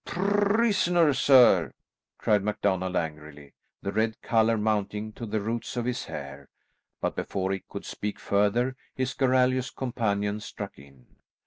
"Prisoner, sir!" cried MacDonald angrily, the red colour mounting to the roots of his hair. But before he could speak further his garrulous companion struck in.